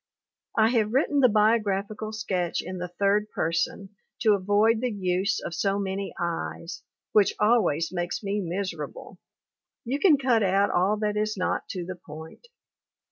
... I have written the biographical sketch in the third person to avoid the use of so many "I's," which always makes me 164 MARY AUSTIN 165 miserable, you can cut out all that is not to the point.